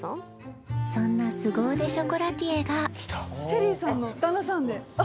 そんなすご腕ショコラティエがシェリーさんの旦那さんで？